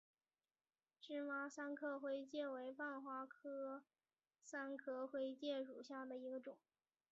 芝麻三壳灰介为半花介科三壳灰介属下的一个种。